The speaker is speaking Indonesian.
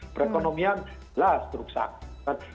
perekonomian jelas teruksat